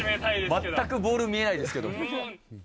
全くボール見えないですけど。